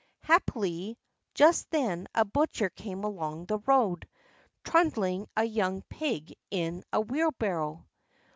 Happily, just then a butcher came along the road, trundling a young pig in a wheelbarrow.